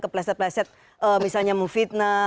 kepleset pleset misalnya memfitnah